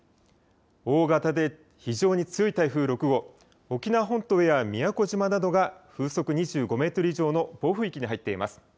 大型で非常に強い台風６号、沖縄本島や宮古島などが風速２５メートル以上の暴風域に入っています。